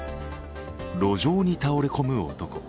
路上に倒れ込む男。